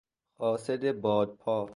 قاصد بادپا